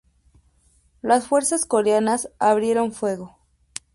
Las fuerzas coreanas abrieron fuego.